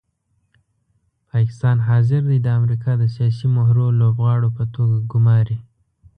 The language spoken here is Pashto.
پاکستان حاضر دی د امریکا د سیاسي مهرو لوبغاړو په توګه ګوماري.